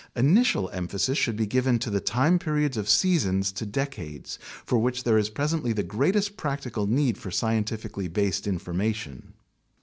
Initial emphasis should be given to the time periods of seasons to decades, for which there is presently the greatest practical need for scientifically based information.